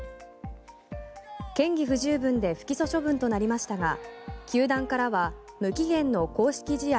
嫌疑不十分で不起訴処分となりましたが球団からは無期限の公式試合